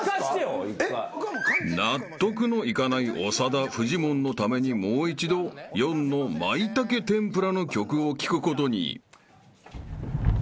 ［納得のいかない長田フジモンのためにもう一度肆のまいたけ天ぷらの曲を聴くことに］